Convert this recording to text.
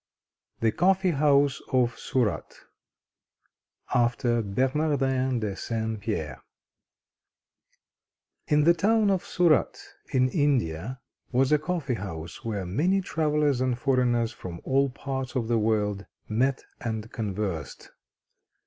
THE COFFEE HOUSE OF SURAT (After Bernardin de Saint Pierre) In the town of Surat, in India, was a coffee house where many travellers and foreigners from all parts of the world met and conversed.